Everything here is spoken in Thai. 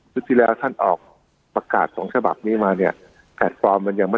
ที่แล้วท่านออกประกาศของฉบับนี้มาเนี่ยแพลตฟอร์มมันยังไม่